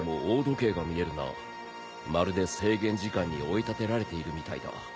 まるで制限時間に追い立てられているみたいだ。